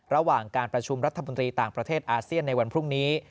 ระหว่างการประชุมรัฐมนตรีต่างประเทศอาเซียนในวันพรุ่งนี้